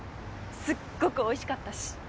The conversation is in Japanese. すっごく美味しかったし。